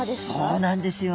そうなんですよ。